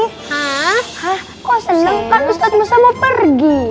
hah kok seneng kan ustaz musa mau pergi